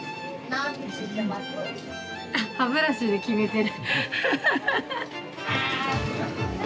あっ、歯ブラシで決めてる。